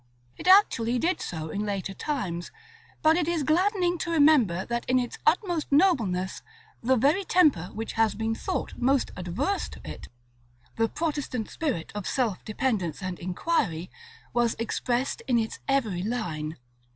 It actually did so in its later times; but it is gladdening to remember that in its utmost nobleness, the very temper which has been thought most adverse to it, the Protestant spirit of self dependence and inquiry, was expressed in its every line.